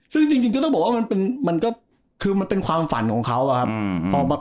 ซึ่งจริงก็ต้องบอกว่ามันก็คือมันเป็นความฝันของเขาอะครับ